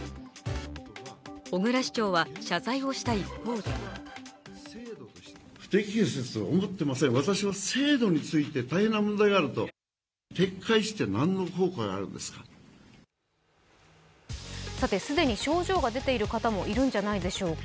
小椋市長は謝罪をした一方で既に症状が出ている方もいるんじゃないでしょうか。